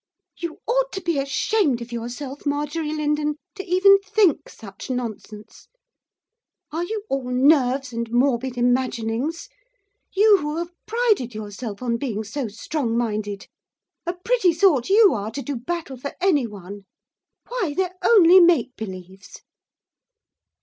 'You ought to be ashamed of yourself, Marjorie Lindon, to even think such nonsense. Are you all nerves and morbid imaginings, you who have prided yourself on being so strong minded! A pretty sort you are to do battle for anyone. Why, they're only make believes!